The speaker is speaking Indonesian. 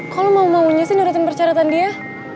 kok lu mau maunya sih nurutin percaraan dia